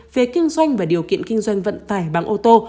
về kinh doanh và điều kiện kinh doanh vận tải bằng ô tô